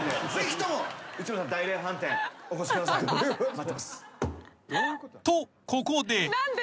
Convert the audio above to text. ［とここで］